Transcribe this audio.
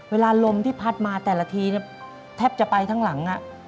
ลมที่พัดมาแต่ละทีแทบจะไปทั้งหลัง